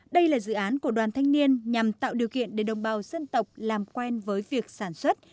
đây là dự án của đoàn thanh niên nhằm tạo điều kiện để đồng bào dân tộc làm quen với việc sản xuất